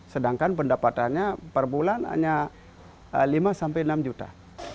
sedangkan pendapatannya per bulan hanya lima sampai enam juta